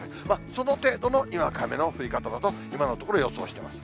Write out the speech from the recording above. その程度のにわか雨の降り方だと、今のところ予想しています。